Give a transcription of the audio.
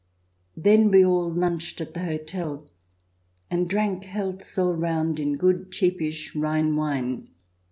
Then we all lunched at the hotel and drank healths all round in good, cheapish Rhine wine.